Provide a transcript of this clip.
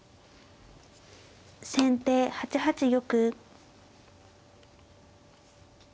先手８八玉。